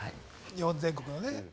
日本全国のね。